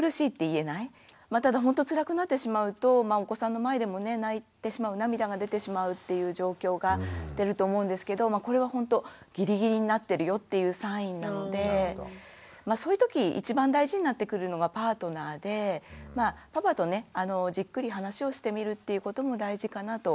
まあただほんとつらくなってしまうとお子さんの前でもね泣いてしまう涙が出てしまうっていう状況が出ると思うんですけどこれはほんとギリギリになってるよっていうサインなのでそういうとき一番大事になってくるのがパートナーでパパとねじっくり話をしてみるっていうことも大事かなと思います。